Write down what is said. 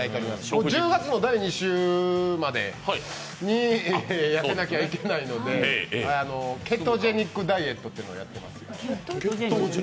もう１０月の第２週までにやめなきゃいけないので、ケトジェニックダイエットというのをやっています。